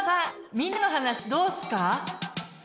みんなの話どうっすか？